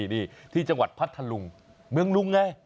นี่ที่จังหวัดพัทธลุงเมืองลุงไง